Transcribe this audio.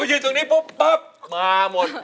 พอไปยืนตรงนี้ปุ๊บมาหมด